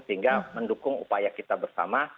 sehingga mendukung upaya kita bersama